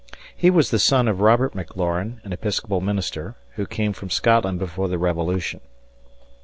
He was a son of Robert McLaurine, an Episcopal minister, who came from Scotland before the Revolution.